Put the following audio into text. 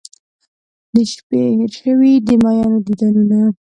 د شپې هیر شوي د میینو دیدنونه